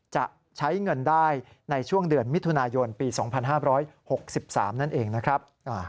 จะใช้เงินได้ในช่วงเดือนมิถุนายนปี๒๕๖๓นั่นเองนะครับ